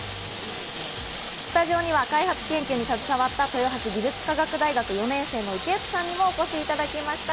スタジオには開発研究に携わった豊橋技術科学大学４年生の池内さんにもお越しいただきました。